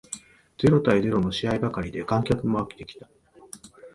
ゼロ対ゼロの試合ばかりで観客も飽きてきた